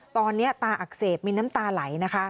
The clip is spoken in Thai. ตอนนี้ตาอักเสบมีน้ำตาไหลนะคะ